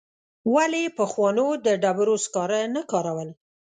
ولي پخوانو د ډبرو سکاره نه کارول؟